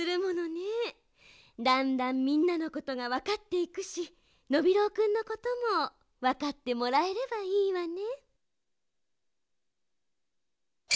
だんだんみんなのことがわかっていくしノビローくんのこともわかってもらえればいいわね。